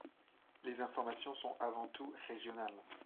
Les informations sont avant tout régionales.